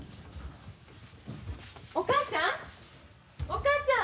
お母ちゃん！